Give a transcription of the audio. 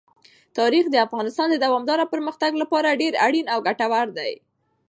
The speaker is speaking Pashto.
تاریخ د افغانستان د دوامداره پرمختګ لپاره ډېر اړین او ګټور دی.